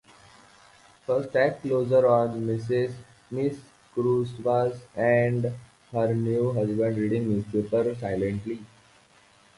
The first act closes on Ms. Cuevas and her new husband reading newspaper silently.